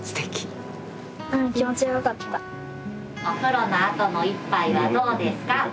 お風呂のあとの一杯はどうですか？